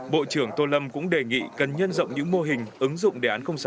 bộ trưởng tô lâm cũng đề nghị cần nhân rộng những mô hình ứng dụng đề án sáu